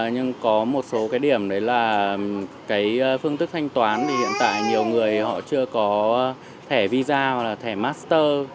nhưng có một số cái điểm đấy là cái phương thức thanh toán thì hiện tại nhiều người họ chưa có thẻ visa hoặc là thẻ master